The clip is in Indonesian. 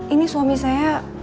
ini suami saya